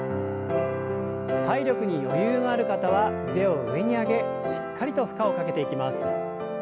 体力に余裕のある方は腕を上に上げしっかりと負荷をかけていきます。